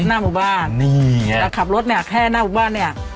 หน้าหมู่บ้านนี่ไงแต่ขับรถเนี่ยแค่หน้าหมู่บ้านเนี่ย